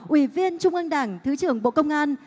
ủy viên trung ương đảng thứ trưởng bộ công an